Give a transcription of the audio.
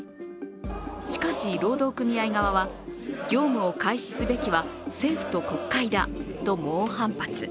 しかし労働組合側は業務を開始すべきは政府と国会だと猛反発。